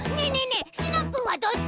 えシナプーはどっち！？